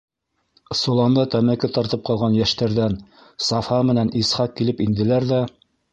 Соланда тәмәке тартып ҡалған йәштәрҙән Сафа менән Исхаҡ килеп инделәр ҙә: